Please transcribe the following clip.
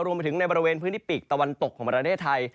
รวมไปถึงในบริเวณพื้นที่ปีกตะวันตกของประเทศไทย